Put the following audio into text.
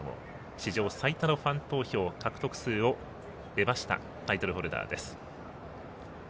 史上最多のファン投票獲得数を得ましたタイトルホルダーです。